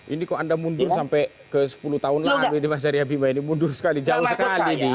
ini kok anda mundur sampai ke sepuluh tahun lalu ini mas arya bima ini mundur sekali jauh sekali di